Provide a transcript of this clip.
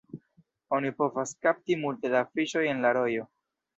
Oni povas kapti multe da fiŝoj en la rojo.